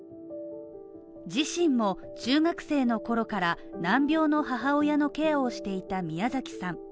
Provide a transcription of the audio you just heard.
自身も中学生のころから難病の母親のケアをしていた宮崎さん。